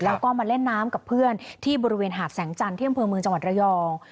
แล้วก็มาเล่นน้ำกับเพื่อนที่บริเวณหาดแสงจันทร์ที่อำเภอเมืองจังหวัดระยอง